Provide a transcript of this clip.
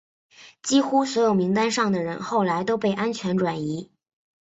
几乎所有名单上的人后来都被安全转移。